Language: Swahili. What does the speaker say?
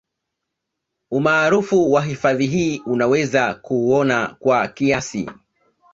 Umaarufu wa hifadhi hii unaweza kuuona kwa kiasi